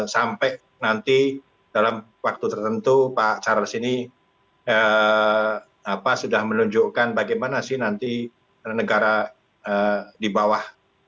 sampai nanti dalam waktu tertentu pak charles ini sudah menunjukkan bagaimana sih nanti negara di bawah